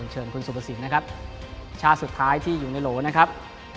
เชิญคุณสุภสินนะครับชาติสุดท้ายที่อยู่ในโหลนะครับ